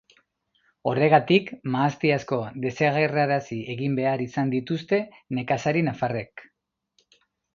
Horregatik, mahasti asko desagerrarazi egin behar izan dituzte nekazari nafarrek.